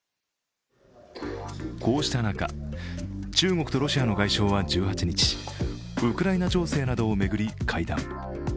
こうした中、中国とロシアの外相は１８日、ウクライナ情勢などを巡り会談。